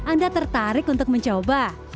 anda tertarik untuk mencoba